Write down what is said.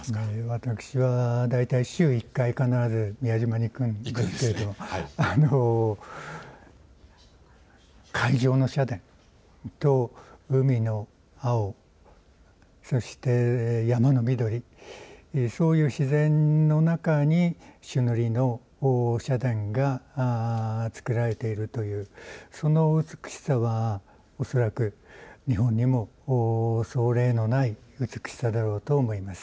私は大体、週１回必ず宮島に行くんですけれど海上の社殿と海の青、そして山の緑、そういう自然の中に朱塗りの社殿が作られているというその美しさは恐らく日本にも、そう例のない美しさだろうと思います。